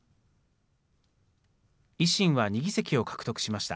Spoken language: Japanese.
維新は２議席を獲得しました。